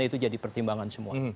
itu jadi pertimbangan semua